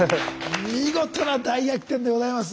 見事な大逆転でございます。